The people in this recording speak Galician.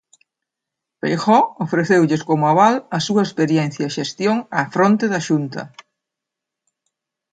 Feijóo ofreceulles como aval a súa experiencia e xestión á fronte da Xunta.